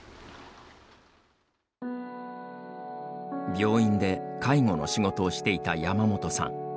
病院で介護の仕事をしていた山本さん。